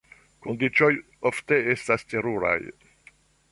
Kondiĉoj ofte estas teruraj.